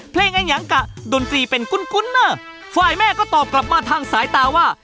เพลงอังกะดนตรีเป็นกุ้นกุ้นเนอร์ฝ่ายแม่ก็ตอบกลับมาทางสายตาว่า